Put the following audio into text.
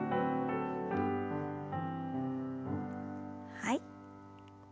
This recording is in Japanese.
はい。